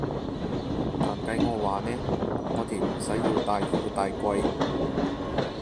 但計我話呢，我哋唔使要大富大貴